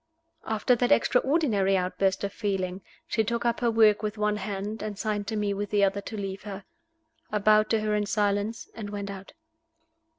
After that extraordinary outburst of feeling, she took up her work with one hand, and signed to me with the other to leave her. I bowed to her in silence, and went out.